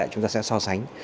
chúng ta sẽ so sánh